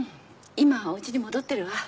今おうちに戻ってるわ。